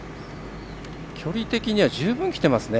距離的には十分、きてますね。